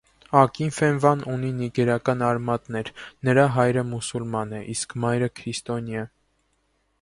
Ակինֆենվան ունի նիգերական արմատներ. նրա հայրը մուսուլման է, իսկ մայրը՝ քրիստոնյա։